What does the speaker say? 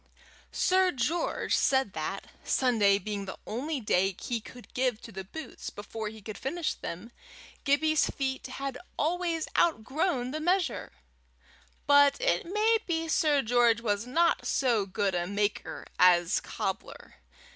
Sir George said that, Sunday being the only day he could give to the boots, before he could finish them, Gibbie's feet had always outgrown the measure. But it may be Sir George was not so good a maker as cobbler.